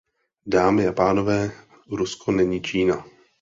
Dámy a pánové, Rusko není Čína.